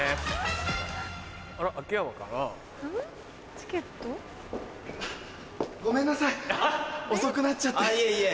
チケット？ごめんなさい遅くなっちゃって。